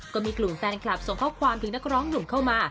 ก็มีกลุ่มแฟนคลับส่งข้อความถึงนักร้องหนุ่มเข้ามา